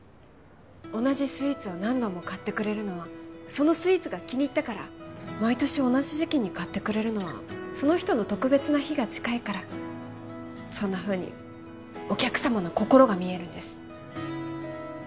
同じスイーツを何度も買ってくれるのはそのスイーツが気に入ったから毎年同じ時期に買ってくれるのはその人の特別な日が近いからそんなふうにお客様の心が見えるんです